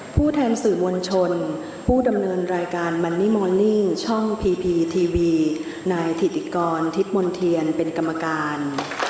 ผู้แทนสื่อมวลชนผู้ดำเนินรายการมันนี่โมลิ่งช่องพีพีทีวีนายถิติกรทิศมนเทียนเป็นกรรมการ